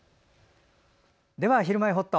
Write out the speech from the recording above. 「ひるまえほっと」